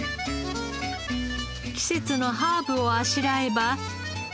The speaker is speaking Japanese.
季節のハーブをあしらえば。